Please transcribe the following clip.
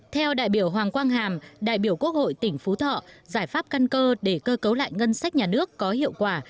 theo đại biểu hoàng quang hàm đại biểu quốc hội tỉnh phú thọ giải pháp căn cơ để cơ cấu lại ngân sách nhà nước có hiệu quả